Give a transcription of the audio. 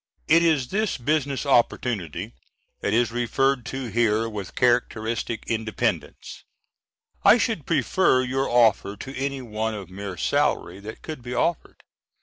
It is this business opportunity that is referred to here with characteristic independence, "I should prefer your offer to any one of mere salary that could be offered."